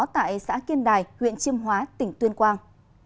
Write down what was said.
tại xã kiên đài huyện chiêm hóa tỉnh tuyên quang